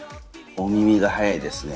お耳が早いですね。